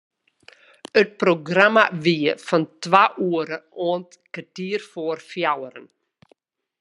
It programma wie fan twa oere oant kertier foar fjouweren.